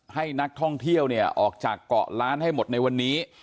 ให้นักท่องเที่ยวเนี่ยออกจากเกาะล้านให้หมดในวันนี้